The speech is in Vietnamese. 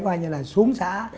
coi như là xuống xã